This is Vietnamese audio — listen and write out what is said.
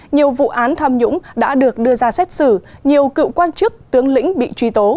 nhiều vụ án tham nhũng đã được đưa ra xét xử nhiều cựu quan chức tướng lĩnh bị truy tố